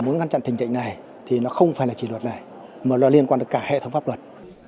muốn ngăn chặn tình trạng này thì nó không phải là chỉ luật này mà nó liên quan đến cả hệ thống pháp luật